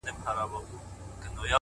• غریب سړی ابلک یې سپی ,